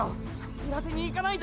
知らせにいかないと！！